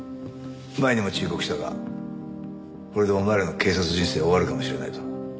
前にも忠告したがこれでお前らの警察人生終わるかもしれないぞ。